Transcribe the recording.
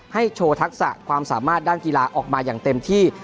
โชว์ทักษะความสามารถด้านกีฬาออกมาอย่างเต็มที่